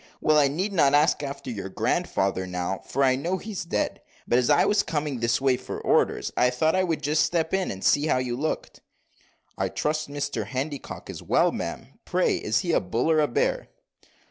Well, I need not ask after your grandfather now, for I know he's dead; but as I was coming this way for orders, I thought I would just step in and see how you looked." "I trust Mr Handycock is well, ma'am. Pray is he a bull or a bear?"